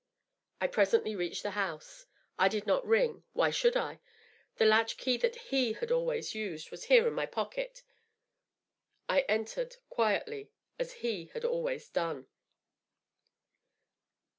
I presently reached the house. I did not ring. Why should I ? The latch key that he had always used was here in my pocket. I en tered, quietly, as he had always done.